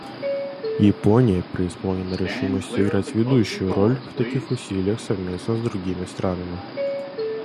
Япония преисполнена решимости играть ведущую роль в таких усилиях совместно с другими странами.